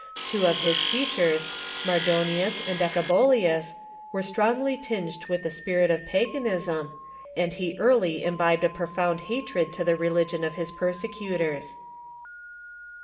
Two of his teachers, Mar donius and Ecebolius, were strongly tinged with the spirit of paganism, and he early imbibed a profound hatred to the re ligion of his persecutors.